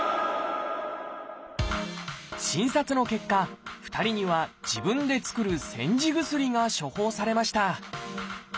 診察の結果２人には自分で作る「煎じ薬」が処方されました。